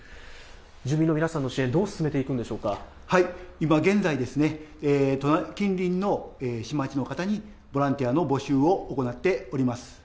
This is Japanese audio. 住民の皆さんの支援、どう進めてい今現在、近隣の市や町の方にボランティアの募集を行っております。